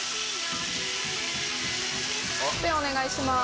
スペお願いします。